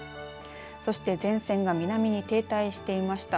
そして前線が南に停滞していました。